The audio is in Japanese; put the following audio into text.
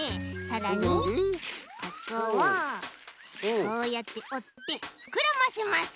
さらにここをこうやっておってふくらませます。